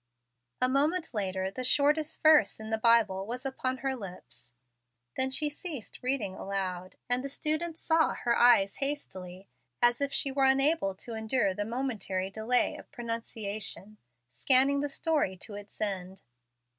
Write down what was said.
A moment later, the shortest verse in the Bible was upon her lips. Then she ceased reading aloud, and the student saw her eyes hastily, as if she were unable to endure the momentary delay of pronunciation, scanning the story to its end.